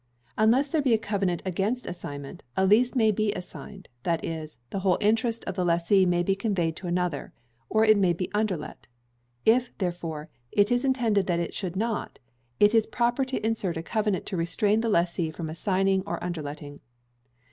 Unless there be a covenant against assignment, a lease may be assigned, that is, the whole interest of the lessee may be conveyed to another, or it may be underlet; if, therefore, it is intended that it should not, it is proper to insert a covenant to restrain the lessee from assigning or underletting.